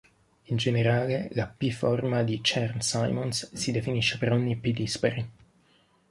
In generale, la "p-forma" di Chern-Simons si definisce per ogni p dispari.